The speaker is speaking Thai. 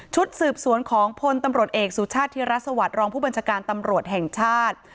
สืบสวนของพลตำรวจเอกสุชาติธิรัฐสวัสดิรองผู้บัญชาการตำรวจแห่งชาติ